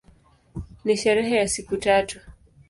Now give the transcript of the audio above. Ni sherehe ya siku tatu.